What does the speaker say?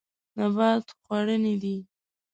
نبات خوړنی دی.